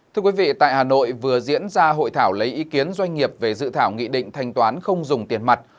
thưa quý vị tại hà nội vừa diễn ra hội thảo lấy ý kiến doanh nghiệp về dự thảo nghị định thanh toán không dùng tiền mặt